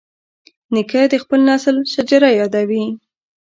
نیکه د خپل نسل شجره یادوي.